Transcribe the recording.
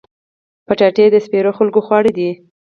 کچالو د سپېرو خلکو خواړه دي